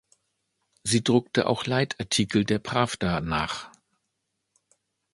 Sie druckte auch Leitartikel der „Prawda“ nach.